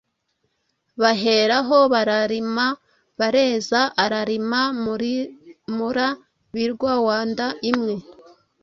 Bahera aho bararima bareza Ararima Murimura-birwa Wa Nda-imwe